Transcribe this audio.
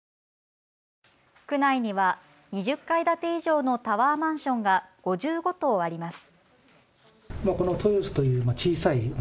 区内には２０階建て以上のタワーマンションが５５棟あります。